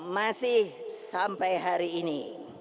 masih sampai hari ini